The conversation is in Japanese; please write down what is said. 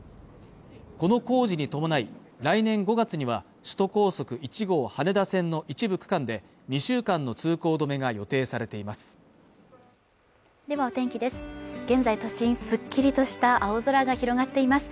この工事に伴い来年５月には首都高速１号羽田線の一部区間で２週間の通行止めが予定されていますではお天気です